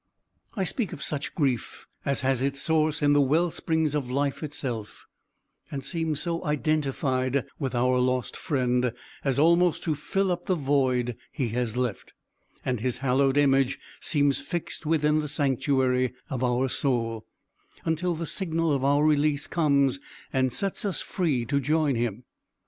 I speak of such grief as has its source in the wellsprings of life itself, and seems so identified with our lost friend, as almost to fill up the void he has left; and his hallowed image seems fixed within the sanctuary of our soul, until the signal of our release comes, and sets us free to join him!